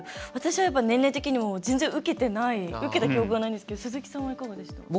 私は年齢的にも全然受けてない受けた記憶がないんですけど鈴木さんはいかがでした？